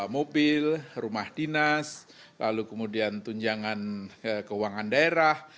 mobil rumah dinas lalu kemudian tunjangan keuangan daerah